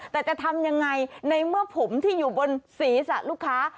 แต่จะทำยังไงในเมื่อผมที่อยู่บนศีรษะลูกค้า